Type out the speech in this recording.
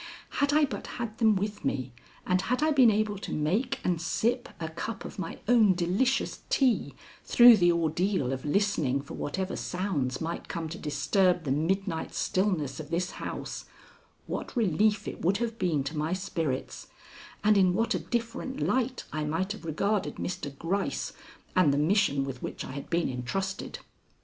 Had I but had them with me, and had I been able to make and sip a cup of my own delicious tea through the ordeal of listening for whatever sounds might come to disturb the midnight stillness of this house, what relief it would have been to my spirits and in what a different light I might have regarded Mr. Gryce and the mission with which I had been intrusted.